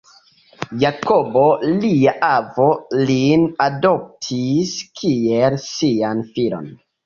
Jakobo, lia avo, lin adoptis kiel sian filon.